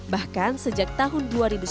bahkan sejak tahun dua ribu sembilan belas